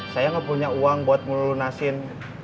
saya nggak punya uang buat melunasin